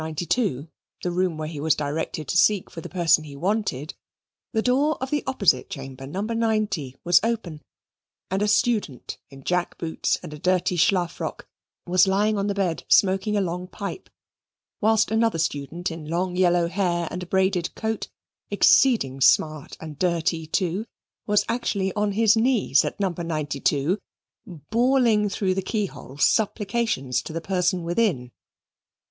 92, the room where he was directed to seek for the person he wanted, the door of the opposite chamber, No. 90, was open, and a student, in jack boots and a dirty schlafrock, was lying on the bed smoking a long pipe; whilst another student in long yellow hair and a braided coat, exceeding smart and dirty too, was actually on his knees at No. 92, bawling through the keyhole supplications to the person within.